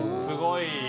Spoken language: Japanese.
すごい。